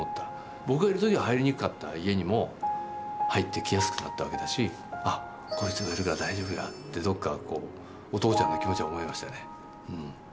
僕がいる時は入りにくかった家にも入ってきやすくなったわけだしってどっかこう、お父ちゃんの気持ちは思いましたね、うん。